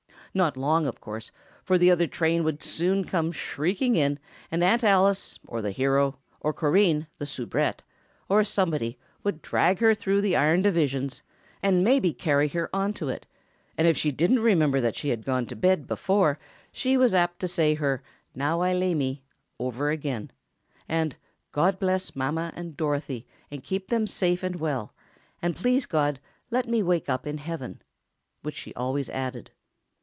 Not long, of course, for the other train would soon come shrieking in, and Aunt Alice or the hero, or Corinne, the soubrette, or somebody, would drag her through the iron divisions, and maybe carry her onto it, and if she didn't remember that she had gone to bed before, she was apt to say her "Now I lay me" over again, and "God bless Mama and Dorothy, and keep them safe and well, and please, God, let me wake up in Heaven," which she always added.